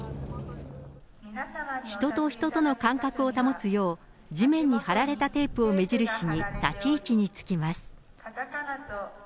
人と人との間隔を保つよう、地面に貼られたテープを目印に立ち位置につきます。